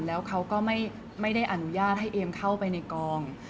แล้วเขาก็ไม่ได้อนุญาตให้เอมเข้าไปในกอง